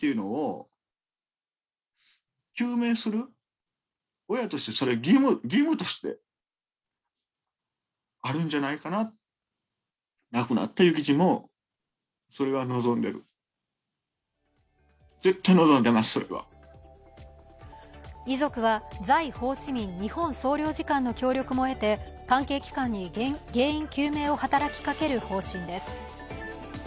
ホーチミン日本総領事館の協力も得て関係機関に原因究明を働きかける方針です。